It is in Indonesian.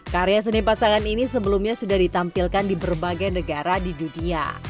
karya seni pasangan ini sebelumnya sudah ditampilkan di berbagai negara di dunia